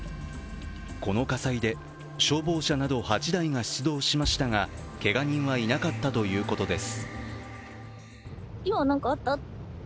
この火災で消防車など８台が出動しましたがけが人はいなかったということです。